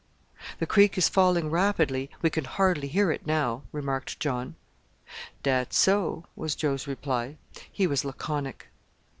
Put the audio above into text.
"The Creek is falling rapidly, we can hardly hear it now," remarked John. "Dat's so," was Joe's reply. He was laconic.